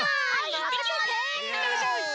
いってきます！